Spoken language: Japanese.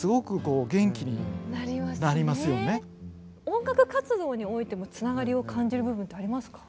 音楽活動においても繋がりを感じる部分ってありますか？